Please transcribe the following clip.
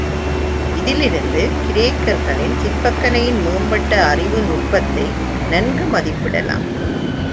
இதிலிருந்து கிரேக்கர்களின் சிற்பக்கலையின் மேம்பட்ட அறிவு நுட்பத்தை நன்கு மதிப்பிடலாம்.